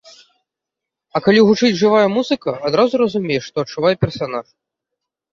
А калі гучыць жывая музыка, адразу разумееш, што адчувае персанаж.